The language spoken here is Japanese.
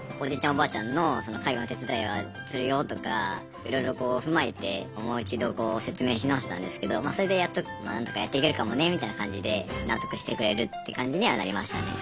おばあちゃんの介護の手伝いはするよとかいろいろこう踏まえてもう一度こう説明し直したんですけどそれでやっと「まあ何とかやっていけるかもね」みたいな感じで納得してくれるって感じにはなりましたね。